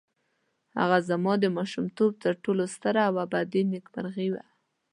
هغه زما د ماشومتوب تر ټولو ستره او ابدي نېکمرغي وه.